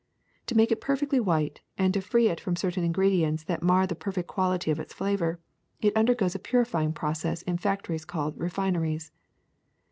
To make it perfectly white and to free it from certain ingredients that mar the perfect quality of its flavor, it undergoes a purifying process in fac tories called refineries.